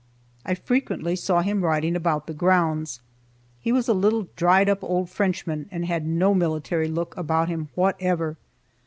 I frequently saw him riding about the grounds. He was a little dried up old Frenchman, and had no military look about him whatever.